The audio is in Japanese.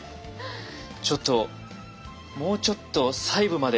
ちょっともうちょっと細部まで。